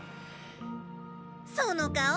その顔！